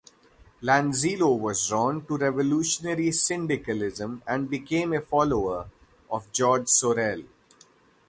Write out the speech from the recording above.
Lanzillo was drawn to revolutionary syndicalism and became a follower of George Sorel.